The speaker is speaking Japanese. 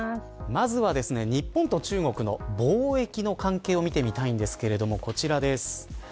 まずは日本と中国の貿易の関係を見てみたいんですがこちらです。